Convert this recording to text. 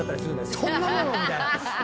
そんなもの！みたいな。